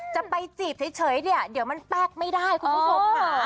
จะไปจีบเฉยเนี่ยเดี๋ยวมันแป๊กไม่ได้คุณผู้ชมค่ะ